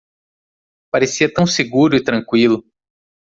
Parecia tão seguro e tranquilo.